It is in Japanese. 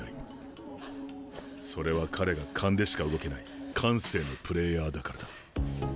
それは彼が勘でしか動けない感性のプレーヤーだからだ。